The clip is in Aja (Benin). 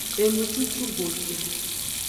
Enucucugotu.